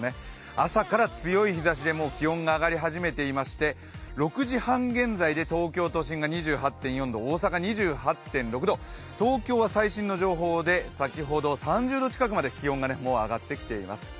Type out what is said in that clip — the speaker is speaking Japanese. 朝から強い日ざしで気温が上がり始めていまして、６時半現在で、東京都心が２８．４度、大阪が２８．６度東京は最新の情報で先ほど３０度近くまでもう気温が上がってきています。